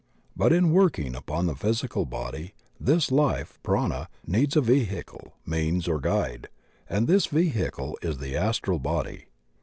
But in working upon the physical body, tiliis life — Prana — needs a vehicle, means, or guide, and this vehicle is the astral body.